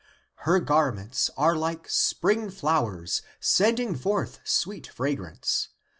Her garments are Hke spring flowers Sending forth sweet fragrance.